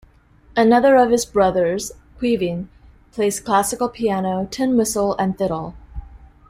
Another of his brothers, Caoimhin, plays classical piano, tin whistle and fiddle.